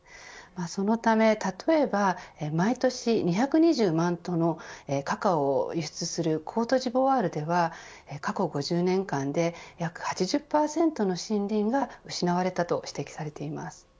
そのため、例えば毎年２２０万トンのカカオを輸出するコートジボワールでは過去５０年間で約８０％の森林が失われたと指摘されています。